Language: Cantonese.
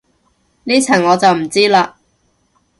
呢層我就唔知嘞